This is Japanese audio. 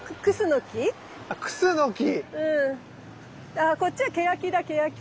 あっこっちはケヤキだケヤキ。